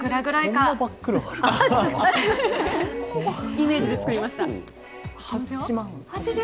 イメージで作りました。